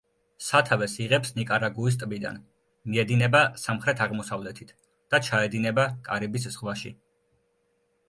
სათავეს იღებს ნიკარაგუის ტბიდან, მიედინება სამხრეთ-აღმოსავლეთით და ჩაედინება კარიბის ზღვაში.